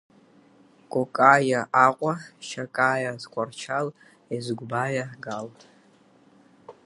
Кокаиа Аҟәа, Шьакаиа Тҟәарчал, Езыгәбаиа Гал.